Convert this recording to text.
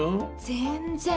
全然。